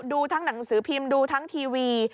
ดูทั้งหนังสือพิมพ์ดูทั้งทีวี